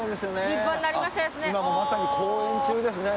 今もまさに公演中ですね。